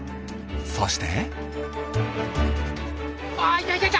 そして。